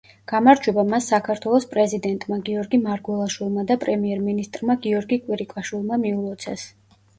გამარჯვება მას საქართველოს პრეზიდენტმა გიორგი მარგველაშვილმა და პრემიერ-მინისტრმა გიორგი კვირიკაშვილმა მიულოცეს.